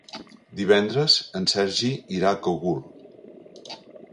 Divendres en Sergi irà al Cogul.